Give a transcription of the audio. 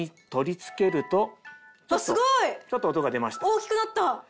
大きくなった！